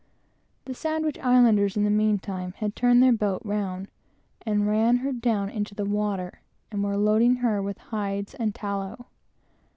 The Sandwich Islanders, in the mean time, had turned their boat round, and ran her down into the water, and were loading her with hides and tallow.